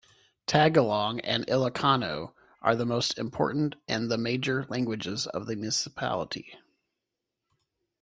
Tagalog and Ilocano are the most important and the major languages of the municipality.